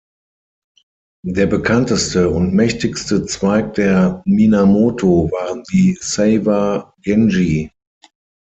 Der bekannteste und mächtigste Zweig der Minamoto waren die Seiwa Genji.